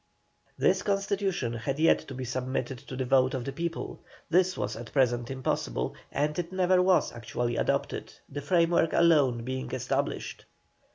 This constitution had yet to be submitted to the vote of the people; this was at present impossible, and it never was actually adopted, the framework alone being established.